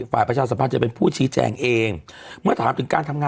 ภาคประชาสัมพันธ์พูมนิยาเป็นผู้ชี้แจง